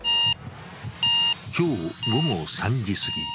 今日、午後３時過ぎ。